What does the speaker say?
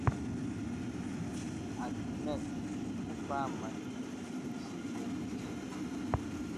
A Pygmees kathwama nyi shimu chihi.